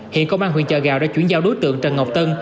hiện công an huyện chợ gạo đã chuyển giao đối tượng trần ngọc tân